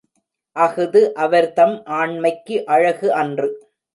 அஃது அவர்தம் ஆண்மைக்கு அழகு அன்று.